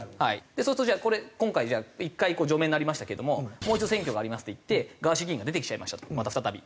そうするとじゃあこれ今回１回除名になりましたけどももう一度選挙がありますっていってガーシー議員が出てきちゃいましたとまた再び。